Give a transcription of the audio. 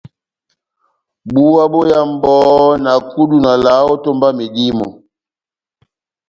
Búwa bóyámu bohó, na kudu na valaha ó etómba yá medímo.